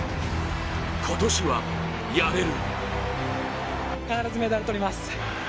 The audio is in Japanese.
今年はやれる。